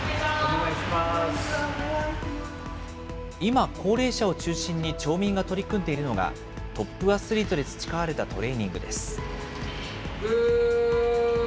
今、高齢者を中心に町民が取り組んでいるのが、トップアスリートで培われたトレーニングです。